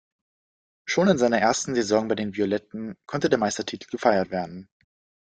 Schon in seiner ersten Saison bei den Violetten konnte der Meistertitel gefeiert werden.